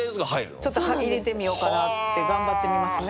ちょっと入れてみようかなって頑張ってみますね。